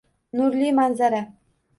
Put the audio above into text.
Nurli manzara.